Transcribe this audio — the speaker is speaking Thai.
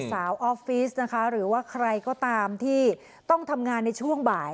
ออฟฟิศนะคะหรือว่าใครก็ตามที่ต้องทำงานในช่วงบ่าย